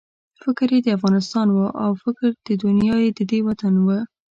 فکر یې د افغانستان وو او د فکر دنیا یې ددې وطن وه.